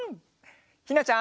ひなちゃん。